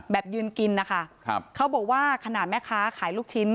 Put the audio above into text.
ยืนกินนะคะครับเขาบอกว่าขนาดแม่ค้าขายลูกชิ้น